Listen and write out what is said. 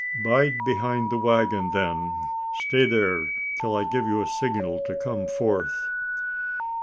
"Bide behind the waggon, then! Stay there till I give you a signal to come forth."